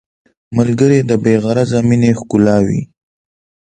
ملګری د بې غرضه مینې ښکلا وي